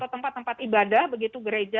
tempat tempat ibadah begitu gereja